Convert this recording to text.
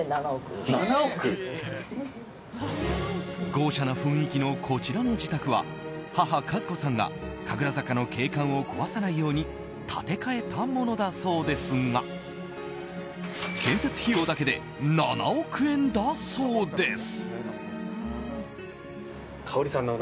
豪奢な雰囲気のこちらの自宅は母・数子さんが神楽坂の景観を壊さないように建て替えたものだそうですが建設費用だけで７億円だそうです。